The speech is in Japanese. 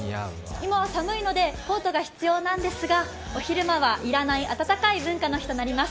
今は寒いのでコートが必要なんですが、昼間は要らない、暖かな文化の日となります。